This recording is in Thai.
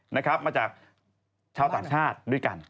นะครับมาจากชาวต่างชาติด้วยกัน